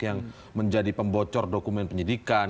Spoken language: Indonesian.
yang menjadi pembocor dokumen penyidikan